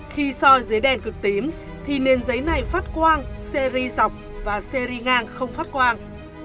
khi soi dưới đèn cực tím thì nền giấy này phát quang series dọc và series ngang không phát quang